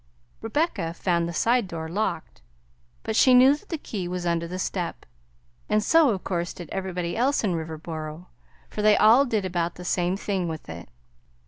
Rebecca found the side door locked, but she knew that the key was under the step, and so of course did everybody else in Riverboro, for they all did about the same thing with it.